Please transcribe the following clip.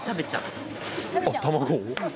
卵を？